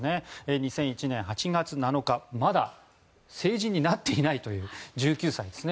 ２００１年８月７日まだ成人になっていないという１９歳ですね。